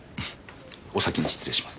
お先に失礼します。